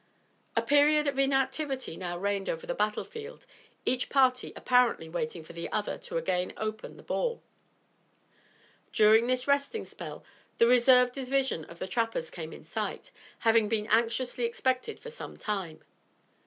A period of inactivity now reigned over the battle field, each party apparently waiting for the other to again open the ball. During this resting spell, the reserve division of the trappers came in sight, having been anxiously expected for some time.